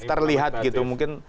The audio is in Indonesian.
terlihat gitu mungkin